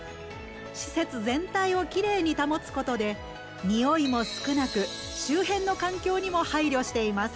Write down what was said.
施設全体をきれいに保つことで臭いも少なく周辺の環境にも配慮しています。